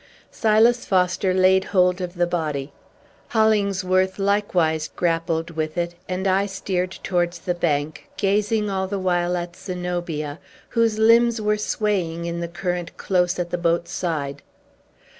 Silas Foster laid hold of the body; Hollingsworth likewise grappled with it; and I steered towards the bank, gazing all the while at Zenobia, whose limbs were swaying in the current close at the boat's side.